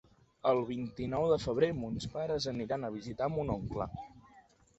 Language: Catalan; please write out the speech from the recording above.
El vint-i-nou de febrer mons pares aniran a visitar mon oncle.